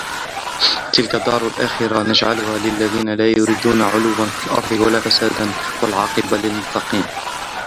تِلْكَ الدَّارُ الْآخِرَةُ نَجْعَلُهَا لِلَّذِينَ لَا يُرِيدُونَ عُلُوًّا فِي الْأَرْضِ وَلَا فَسَادًا وَالْعَاقِبَةُ لِلْمُتَّقِينَ